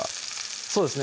そうですね